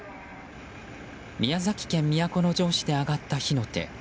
宮崎県都城市で上がった火の手。